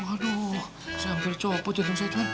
waduh saya hampir copot jatuh saja